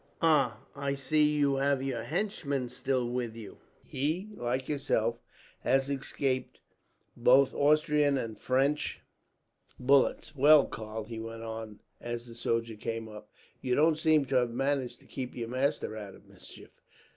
"Ah! I see you have your henchman still with you. He, like yourself, has escaped both Austrian and French bullets. "Well, Karl," he went on as the soldier came up, "you don't seem to have managed to keep your master out of mischief."